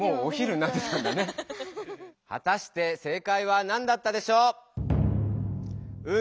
はたして正かいは何だったでしょう？